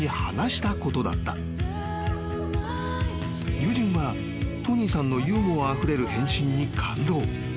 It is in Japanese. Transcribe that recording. ［友人はトニーさんのユーモアあふれる返信に感動］